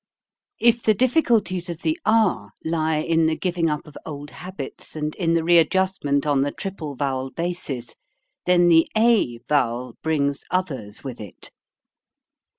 If the difficulties of the ah lie in the giving up of old habits and in the readjustment on the triple vowel basis, then the a vowel brings others with it.